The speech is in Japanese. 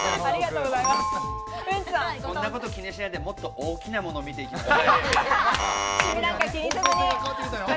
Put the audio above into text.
そんなこと気にしないで、もっと大きなものを見ていきましょう。